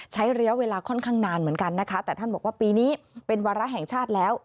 ใช้เวลาค่อนข้างนานเหมือนกันนะคะแต่ท่านบอกว่าปีนี้เป็นวาระแห่งชาติแล้ว